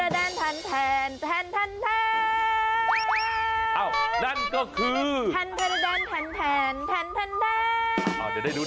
เดี๋ยวหนู